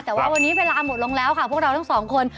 แต่ว่าวันนี้เวลาหมดลงแล้วค่ะพวกเราทั้งสองคน